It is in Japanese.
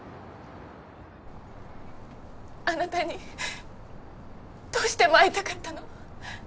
あなたにどうしても会いたかったの。